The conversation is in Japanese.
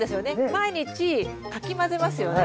毎日かき混ぜますよね。